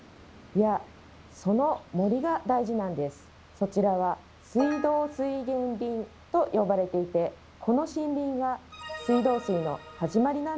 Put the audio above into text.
そちらは「水道水源林」と呼ばれていてこの森林が水道水のはじまりなんですよ。